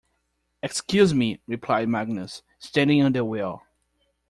‘Excuse me,’ replied Magnus, standing on the wheel.